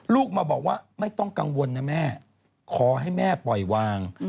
ลูกมาบอกว่าไม่ต้องกังวลนะแม่ขอให้แม่ปล่อยวาง